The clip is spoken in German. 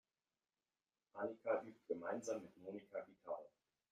Annika übt gemeinsam mit Monika Gitarre.